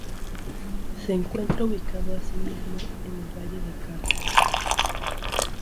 Se encuentra ubicado, así mismo, en el Valle de Cárcer.